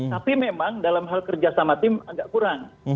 tapi memang dalam hal kerja sama tim agak kurang